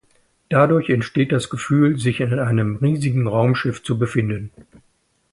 Dadurch entsteht das Gefühl, sich in einem riesigen Raumschiff zu befinden.